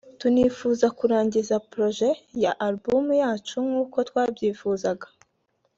tunifuza kurangiza projet ya Album yacu nk’uko twabyifuzaga